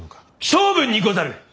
性分にござる！